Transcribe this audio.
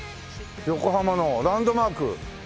横浜のランドマークねえ。